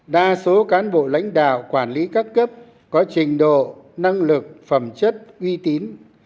đa số cán bộ lãnh đạo quản lý các cấp có trình độ năng lực phẩm chất uy tín